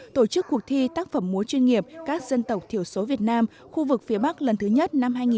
tổ chức cuộc thi tác phẩm múa chuyên nghiệp các dân tộc thiểu số việt nam khu vực phía bắc lần thứ nhất năm hai nghìn một mươi chín